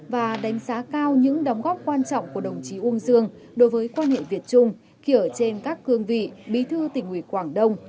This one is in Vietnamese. và đánh giá cao những đóng góp quan trọng của đồng chí uông dương đối với quan hệ việt trung khi ở trên các cương vị bí thư tỉnh ủy quảng đông